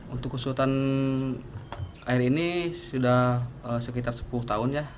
untuk kesulitan air ini sudah sekitar sepuluh tahun ya